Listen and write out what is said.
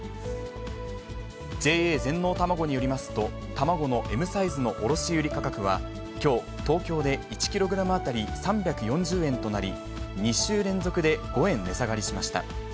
ＪＡ全農たまごによりますと、卵のＭサイズの卸売り価格は、きょう、東京で１キログラム当たり３４０円となり、２週連続で５円値下がりしました。